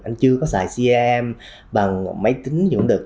anh chưa có xài crm bằng máy tính gì cũng được